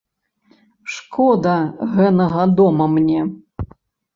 Шкода гэнага дома мне.